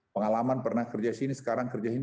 pengalaman pernah kerja sini sekarang kerja sini